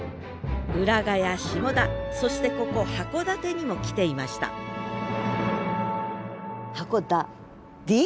浦賀や下田そしてここ函館にも来ていましたハコダディ？